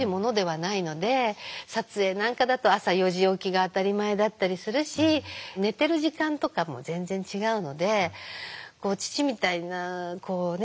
撮影なんかだと朝４時起きが当たり前だったりするし寝てる時間とかも全然違うので父みたいなこうね